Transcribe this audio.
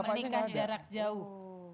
menikah jarak jauh